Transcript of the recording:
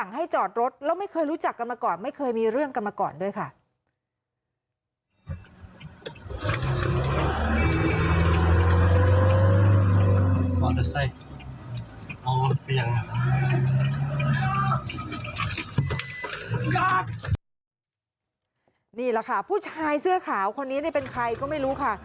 นี่แหละค่ะผู้ชายเสื้อขาวคนนี้เป็นใครก็ไม่รู้ค่ะ